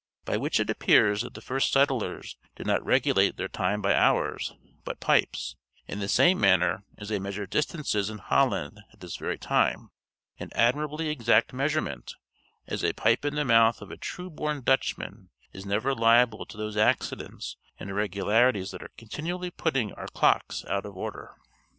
By which it appears that the first settlers did not regulate their time by hours, but pipes, in the same manner as they measure distances in Holland at this very time; an admirably exact measurement, as a pipe in the mouth of a true born Dutchman is never liable to those accidents and irregularities that are continually putting our clocks out of order.